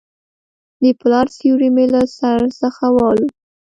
د پلار سیوری مې له سر څخه والوت.